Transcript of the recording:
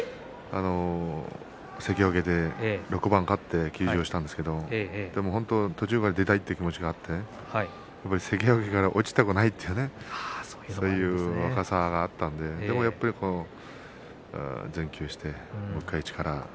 関脇で６番勝って休場したんですけども途中から出たいという気持ちがあって関脇から落ちたくないというそういう若さがあったのででも全休して、もう１回、一から。